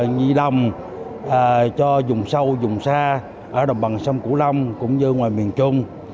nhị lầm cho dùng sâu dùng xa ở đồng bằng sông cửu long cũng như ngoài miền trung